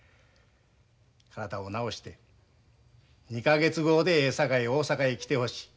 体を治して２か月後でええさかい大阪へ来てほしい。